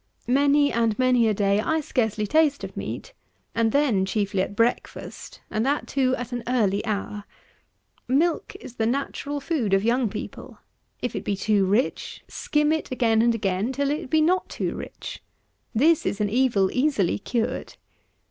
Many and many a day I scarcely taste of meat, and then chiefly at breakfast, and that, too, at an early hour. Milk is the natural food of young people; if it be too rich, skim it again and again till it be not too rich. This is an evil easily cured.